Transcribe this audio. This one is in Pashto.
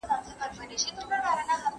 ¬ اوښه، هر څه دي بې هوښه.